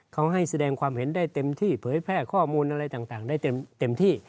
เขาให้แสดงความเห็นได้เต็มที่เผยแพร่ข้อมูลอะไรต่างได้เต็มที่